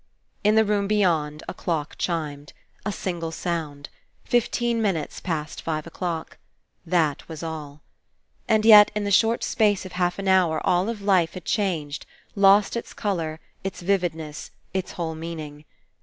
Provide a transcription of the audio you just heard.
In the room beyond, a clock chimed. A single sound. Fifteen minutes past five o'clock. That was all ! And yet in the short space of half an hour all of life had changed, lost its colour, Its vividness, its whole meaning.